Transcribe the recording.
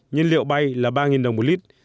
nhân liệu bay là ba đồng một lit